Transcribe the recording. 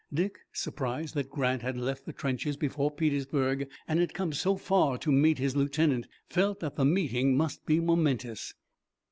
Dick, surprised that Grant had left the trenches before Petersburg and had come so far to meet his lieutenant, felt that the meeting must be momentous.